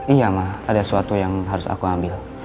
iya ma ada suatu yang harus aku ambil